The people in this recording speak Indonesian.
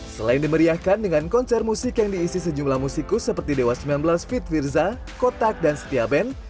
selain dimeriahkan dengan konser musik yang diisi sejumlah musikus seperti dewa sembilan belas fit firza kotak dan setia band